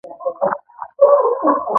په تولید کې محافظت او قیمت مهم دي.